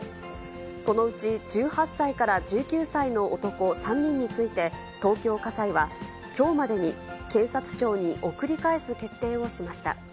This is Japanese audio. このうち１８歳から１９歳の男３人について、東京家裁は、きょうまでに検察庁に送り返す決定をしました。